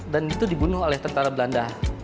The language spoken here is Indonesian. dan itu dibunuh oleh tentara belanda